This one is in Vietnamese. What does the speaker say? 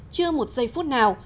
chưa một giây phút nào